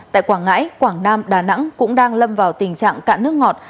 tại quảng ngãi quảng nam đà nẵng cũng đang lâm vào tình trạng cạn nước ngọt